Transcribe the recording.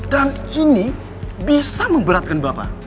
dan ini bisa memberatkan bapak